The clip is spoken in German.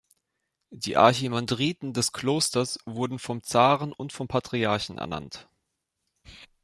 Die Archimandriten des Klosters wurden vom Zaren und vom Patriarchen ernannt.